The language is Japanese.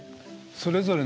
それぞれのね